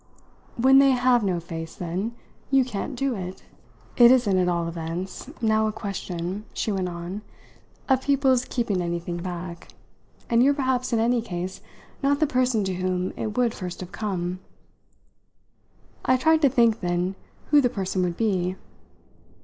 "When they have no face, then, you can't do it! It isn't at all events now a question," she went on, "of people's keeping anything back, and you're perhaps in any case not the person to whom it would first have come." I tried to think then who the person would be.